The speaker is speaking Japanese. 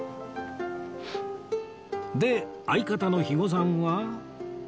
で相方の肥後さんは